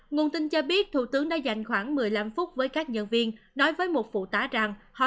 nguồn tin cho biết thủ tướng đã dành khoảng một mươi năm phút với các nhân viên nói với một phụ tá rằng họ